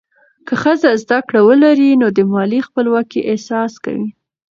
که ښځه زده کړه ولري، نو د مالي خپلواکۍ احساس کوي.